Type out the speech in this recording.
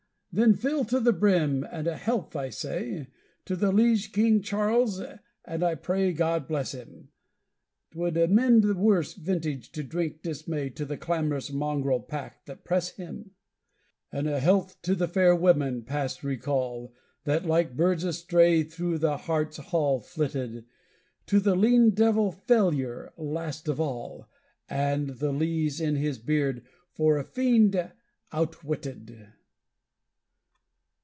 Then fill to the brim, and a health, I say, To our liege King Charles, and I pray God bless him! 'T would amend worse vintage to drink dismay To the clamorous mongrel pack that press him! And a health to the fair women, past recall, That like birds astray through the heart's hall flitted; To the lean devil Failure last of all, And the lees in his beard for a fiend outwitted!